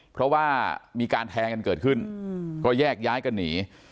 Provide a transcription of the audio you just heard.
เพราะว่ามีการแทงกันเกิดขึ้นก็แยกย้ายกันหนี